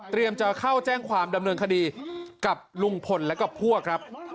จะเข้าแจ้งความดำเนินคดีกับลุงพลและกับพวกครับ